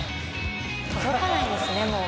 「届かないですねもう」